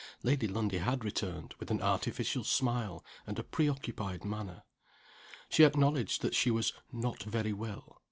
Lady Lundie had returned with an artificial smile, and a preoccupied manner. She acknowledged that she was "not very well."